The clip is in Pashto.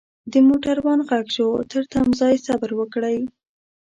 دموټروان ږغ شو ترتمځای صبروکړئ.